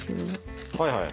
はいはい。